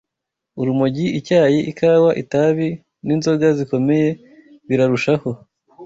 Urumogi, icyayi, ikawa, itabi, n’inzoga zikomeye birarushaho